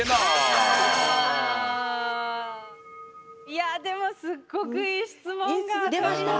いやでもすっごくいい質問が飛び出して。